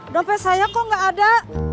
dompet saya kok gak ada